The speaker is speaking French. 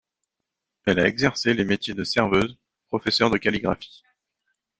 Elle a exercé les métiers de serveuse, professeur de calligraphie.